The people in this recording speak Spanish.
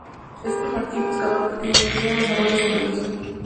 Este martín pescador pequeño cría en los arroyos o ríos.